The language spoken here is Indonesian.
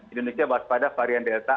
indonesia waspada varian delta